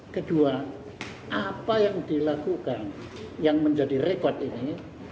kedua apa yang dilakukan yang menjadi rekod ini